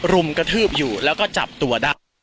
รุมกระทืบอยู่แล้วก็จับตัวได้